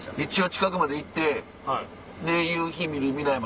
近くまで行って。